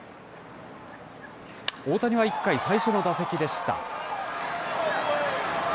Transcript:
大谷は１回、最初の打席でした。